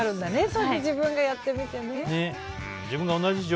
そうやって自分がやってみてね。